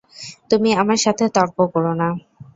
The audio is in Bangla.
তুমি আমার সাথে তর্ক করো না।